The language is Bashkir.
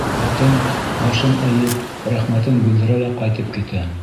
Ҡатын, башын эйеп, рәхмәтен белдерә лә ҡайтып китә.